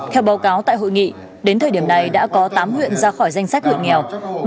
theo báo cáo tại hội nghị đến thời điểm này đã có tám huyện ra khỏi danh sách huyện nghèo